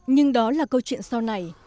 nhưng đó là câu chuyện sau này